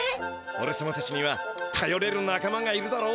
おれさまたちにはたよれるなかまがいるだろ。